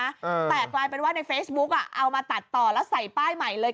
อ่าแต่กลายเป็นว่าในเฟซบุ๊กอ่ะเอามาตัดต่อแล้วใส่ป้ายใหม่เลย